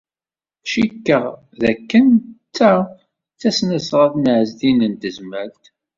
Cikkeɣ dakken ta d tasnasɣalt n Ɛezdin n Tezmalt.